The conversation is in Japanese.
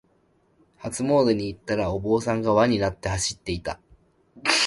初詣に行ったら、お坊さんが輪になって走っていた。